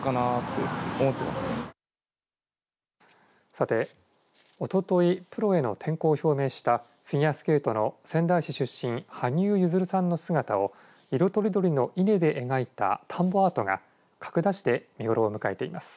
さて、おとといプロへの転向を表明したフィギュアスケートの仙台市出身、羽生結弦さんの姿を色とりどりの稲で描いた田んぼアートが角田市で見頃を迎えています。